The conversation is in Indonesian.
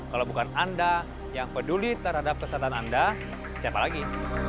kalau bukan anda yang peduli terhadap kesehatan anda siapa lagi